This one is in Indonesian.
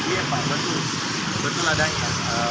iya pak betul adanya